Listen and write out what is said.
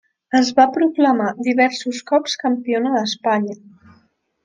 Es va proclamar diversos cops campiona d'Espanya.